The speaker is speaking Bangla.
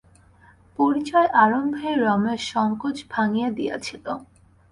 পরিচয়ের আরম্ভেই রমেশ সংকোচ ভাঙিয়া দিয়াছিল।